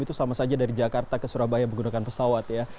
itu sama saja dari jakarta ke surabaya menggunakan pesawat ya